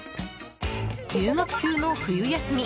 留学中の冬休み